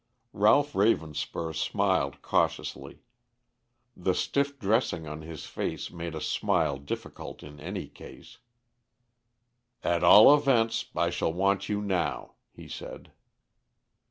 Ralph Ravenspur smiled cautiously. The stiff dressing on his face made a smile difficult in any case. "At all events, I shall want you now," he said.